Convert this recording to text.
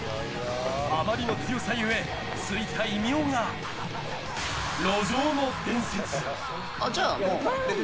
あまりの強さゆえ、ついた異名が路上の伝説。